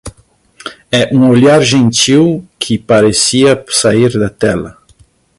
E um olhar gentil que parecia sair da tela.